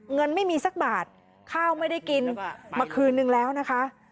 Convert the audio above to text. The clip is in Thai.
เงินไม่มีสักบาทข้าวไม่ได้กินมาคืนนึงแล้วนะคะ